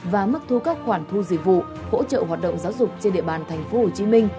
và mức thu các khoản thu dịch vụ hỗ trợ hoạt động giáo dục trên địa bàn tp hcm